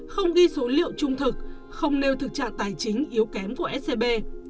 không ghi số liệu trung thực không nêu thực trạng tài chính yếu kém của scb